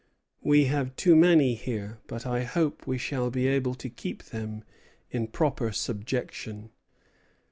We have too many here; but I hope we shall be able to keep them in proper subjection."